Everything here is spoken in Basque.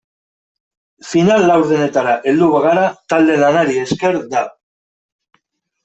Final laurdenetara heldu bagara talde-lanari esker da.